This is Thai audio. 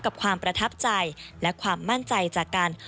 เยี่ยมทุกคนเจอกันกันที่ฮ่องคง